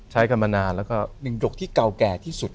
หนึ่งยกที่เก่าแก่ที่สุด